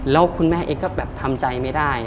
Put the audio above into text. แล้วคุณแม่เองก็แบบทำใจไม่ได้